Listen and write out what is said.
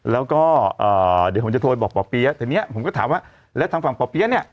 แล้วก็เดี๋ยวผมจะโทรไปบอกป่อเปี๊ยะทีนี้ผมก็ถามว่าแล้วทางฝั่งป่อเปี๊ยะเนี่ย